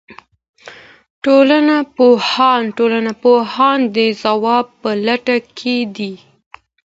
ټولنپوهان د ځواب په لټه کې دي.